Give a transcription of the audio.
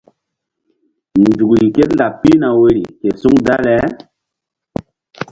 Nzukri kélaɓ pihna woyri ke suŋ dale.